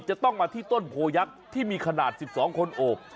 จะต้องมาที่ต้นโพยักษ์ที่มีขนาด๑๒คนโอบ